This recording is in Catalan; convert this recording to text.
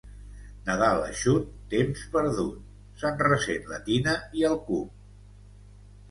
Nadal eixut, temps perdut: se'n ressent la tina i el cup.